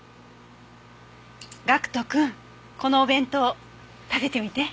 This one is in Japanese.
岳人くんこのお弁当食べてみて。